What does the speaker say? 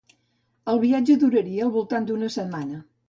El viatge duraria al voltant d'una setmana.